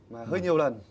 mà hơi nhiều lần